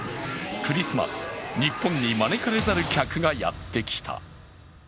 クリスマス、日本に招かれざる客がやってきた。